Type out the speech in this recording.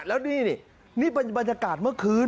แล้วนี่นี่เป็นบรรยากาศเมื่อคืน